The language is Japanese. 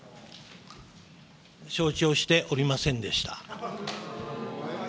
承知をしておりませんでした。